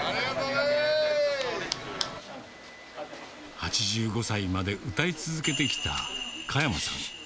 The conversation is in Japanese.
８５歳まで歌い続けてきた加山さん。